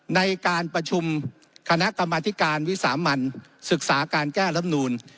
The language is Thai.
ในการประชุมคณะกรรมธิการวิสามันศึกษาการแก้รับนูล